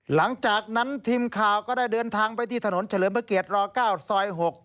หลังจากนั้นทีมข่าวก็ได้เดินทางไปที่ถนนเฉลิมพระเกียร๙ซอย๖